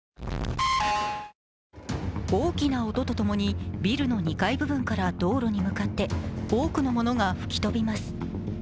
大きな音と共にビルの２階部分から道路に向かって多くのものが吹き飛びます。